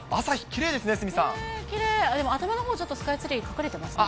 きれい、でもちょっと頭のほう、スカイツリー、隠れてますね。